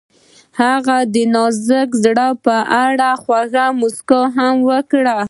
هغې د نازک زړه په اړه خوږه موسکا هم وکړه.